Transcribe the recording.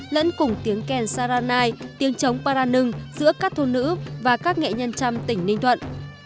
lẫn cùng tiếng kèn saranai tiếng trống paranung giữa các thôn nữ và các nghệ nhân trăm tỉnh ninh thuận